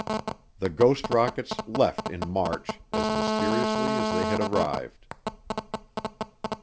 The ghost rockets left in March, as mysteriously as they had arrived.